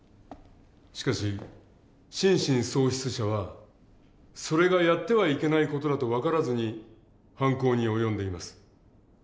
しかし心神喪失者はそれがやってはいけない事だと分からずに犯行に及んでいます。